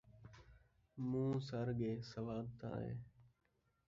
مون٘ہہ سڑ ڳئے ، سواد تاں آئے